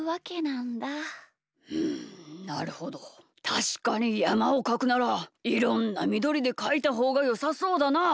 たしかにやまをかくならいろんなみどりでかいたほうがよさそうだな。